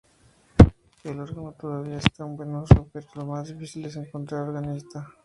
El órgano todavía está en buen uso, pero lo más difícil es encontrar organista.